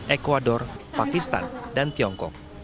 ekuador pakistan dan tiongkok